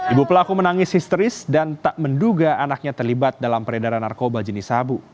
ibu pelaku menangis histeris dan tak menduga anaknya terlibat dalam peredaran narkoba jenis sabu